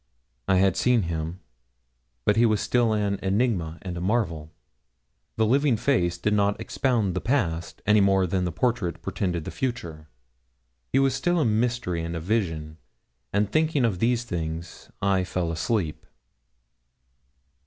I had seen him; but he was still an enigma and a marvel. The living face did not expound the past, any more than the portrait portended the future. He was still a mystery and a vision; and thinking of these things I fell asleep.